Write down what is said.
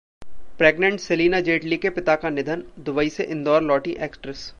pregnant Celina Jaitly के पिता का निधन, दुबई से इंदौर लौटीं एक्ट्रेस